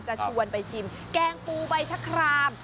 จะชวนไปชิมแกงปูใบชะคราม